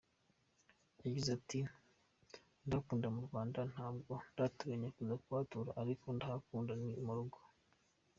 Yagize ati “Ndahakunda mu Rwanda, ntabwo ndateganya kuza kuhatura ariko ndahakunda, ni mu rugo.